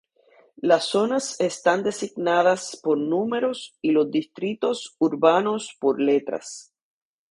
Las zonas están designadas por números y los distritos urbanos por letras.